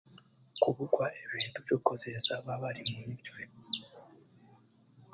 Kubugwa ebintu by'okukozeesa baaba bari mumicwe